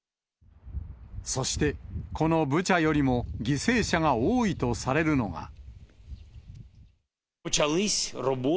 そして、このブチャよりも犠牲者が多いとされるのが。